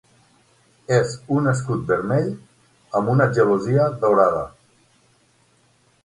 És un escut vermell amb una gelosia daurada.